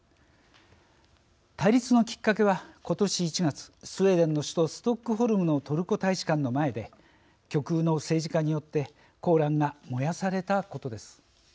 対立のきっかけは今年１月スウェーデンの首都ストックホルムのトルコ大使館の前で極右の政治家によって「コーラン」が燃やされたことです。